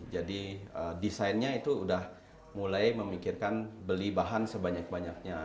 jadi desainnya itu sudah mulai memikirkan beli bahan sebanyak banyaknya